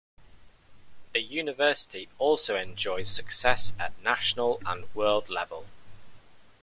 The University also enjoys success at National and World level.